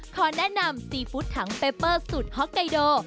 ขอแนะนำซีฟู้ดถังเปเปอร์สูตรฮอกไกโด